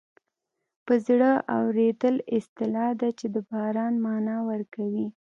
په زړه اورېدل اصطلاح ده چې د باران مانا ورکوي